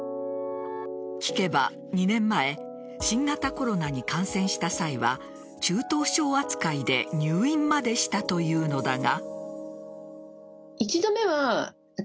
聞けば２年前新型コロナに感染した際は中等症扱いで入院までしたというのだが。